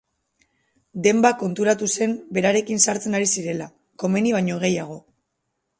Demba konturatu zen berarekin sartzen ari zirela, komeni baino gehiago.